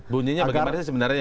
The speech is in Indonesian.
bunyinya bagaimana sebenarnya